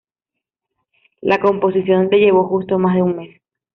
La composición le llevó justo más de un mes.